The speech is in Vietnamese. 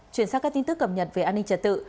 chuyển sang các tin tức cập nhật về an ninh trật tự